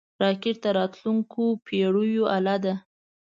راکټ د راتلونکو پېړیو اله ده